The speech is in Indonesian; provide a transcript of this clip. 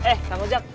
eh kang ojak